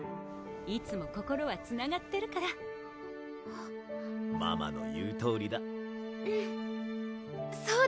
いつも心はつながってるからママの言うとおりだうんそう